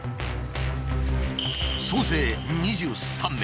総勢２３名。